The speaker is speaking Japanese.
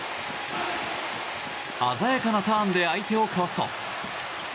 鮮やかなターンで相手をかわすと。